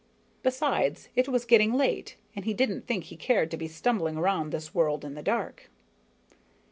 Besides, it was getting late, and he didn't think he cared to be stumbling around this world in the dark.